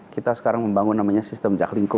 kita sekarang membangun namanya sistem jaklingko